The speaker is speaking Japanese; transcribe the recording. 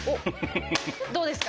どうですか？